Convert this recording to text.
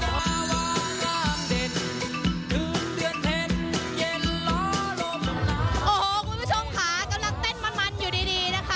โอ้โหคุณผู้ชมค่ะกำลังเต้นมันมันอยู่ดีนะคะ